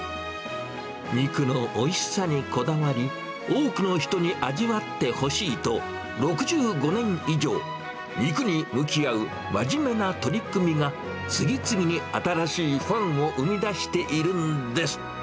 肉のおいしさにこだわり、多くの人に味わってほしいと、６５年以上、肉に向き合う真面目な取り組みが、次々に新しいファンを生み出しているんです。